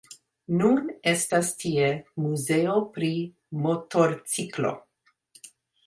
Nun estas tie muzeo pri Motorciklo.